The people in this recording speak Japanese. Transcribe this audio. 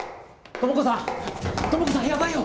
知子さんやばいよ！